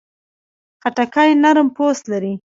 خټکی نرم پوست لري.